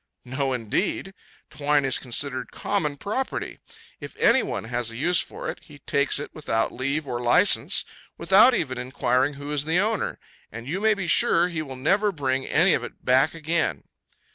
No, indeed! Twine is considered common property. If any one has a use for it, he takes it without leave or license, without even inquiring who is the owner, and you may be sure he will never bring any of it back again.